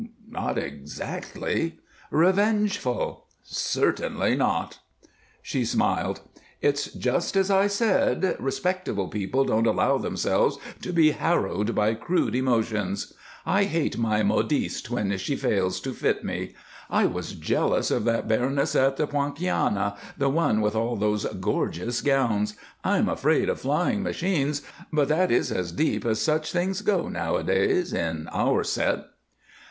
"Not exactly." "Revengeful?" "Certainly not." She smiled. "It's just as I said. Respectable people don't allow themselves to be harrowed by crude emotions. I hate my modiste when she fails to fit me; I was jealous of that baroness at the Poinciana the one with all those gorgeous gowns; I'm afraid of flying machines; but that is as deep as such things go, nowadays in our set."